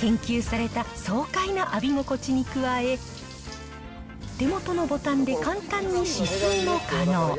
研究された爽快な浴び心地に加え、手元のボタンで簡単に止水も可能。